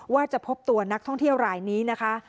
ว่าจะพบตัวนักท่องเที่ยวรายนี้นะคะ